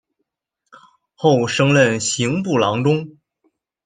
后升任刑部郎中。